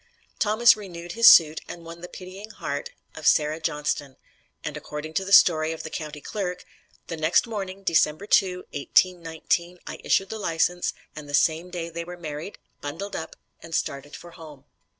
Thomas renewed his suit and won the pitying heart of Sarah Johnston, and according to the story of the county clerk: "The next morning, December 2, 1819, I issued the license, and the same day they were married, bundled up, and started for home."